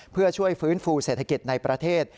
เพื่อช่วยฟื้นฟูเศรษฐกิจในประเทศ